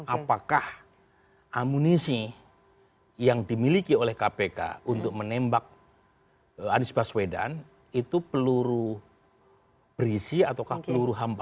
apakah amunisi yang dimiliki oleh kpk untuk menembak anies baswedan itu peluru berisi ataukah peluru hampa